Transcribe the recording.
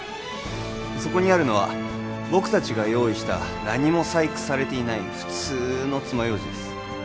そこにあるのは僕達が用意した何も細工されていない普通の爪楊枝です